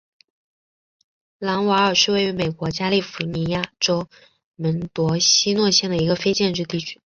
朗瓦尔是位于美国加利福尼亚州门多西诺县的一个非建制地区。